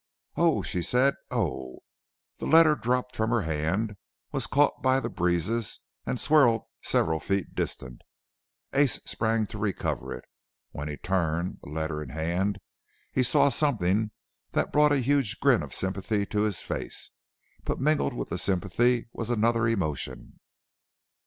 "Oh!" she said. "Oh!" The letter dropped from her hand, was caught by the breezes and swirled several feet distant. Ace sprang to recover it. When he turned, the letter in hand, he saw something that brought a huge grin of sympathy to his face. But mingled with the sympathy was another emotion.